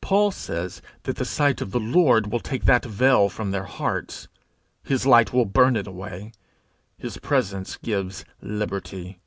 Paul says that the sight of the Lord will take that veil from their hearts. His light will burn it away. His presence gives liberty.